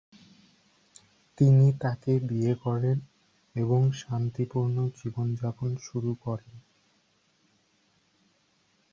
তিনি তাকে বিয়ে করেন এবং শান্তিপূর্ণ জীবনযাপন শুরু করেন।